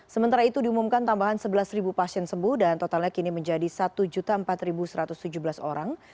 sementara itu diumumkan tambahan sebelas pasien sembuh dan totalnya kini menjadi satu empat satu ratus tujuh belas orang